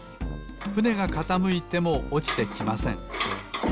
ふねがかたむいてもおちてきません。